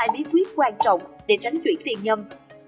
hai bí quyết quan trọng để tránh chuyển tiền nhân